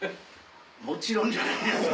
もちろんじゃないですか。